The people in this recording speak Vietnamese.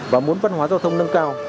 và muốn văn hóa giao thông nâng cao